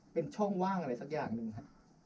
เป็นช่องว่างอะไรสักอย่างหนึ่งครับ